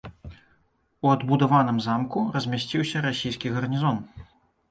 У адбудаваным замку размясціўся расійскі гарнізон.